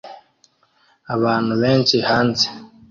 Abantu benshi hanze